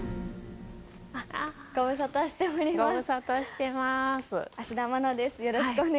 ご無沙汰してます。